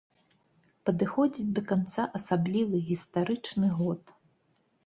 Падыходзіць да канца асаблівы, гістарычны год!